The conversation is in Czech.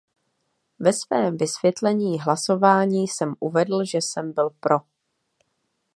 Ve svém vysvětlení hlasování jsem uvedl, že jsem byl pro.